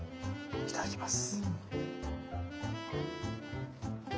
いただきます。